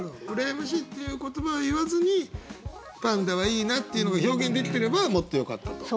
「羨ましい」っていう言葉は言わずにパンダはいいなっていうのが表現できてればもっとよかったと。